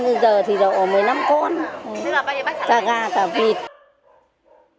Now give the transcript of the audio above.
bây giờ thì được một mươi năm con cả gà cả vịt